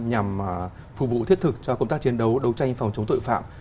nhằm phục vụ thiết thực cho công tác chiến đấu đấu tranh phòng chống tội phạm